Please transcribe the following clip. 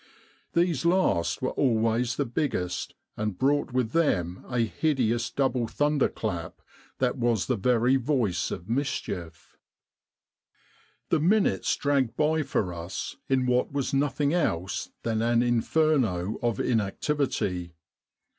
These last were always the biggest, and brought with them a hideous double thunder clap that was the very voice of mischief. "The minutes dragged by for us in what was nothing else than an Inferno of inactivity.